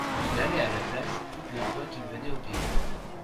Il allait à la plage toutes les fois qu'il venait au pays.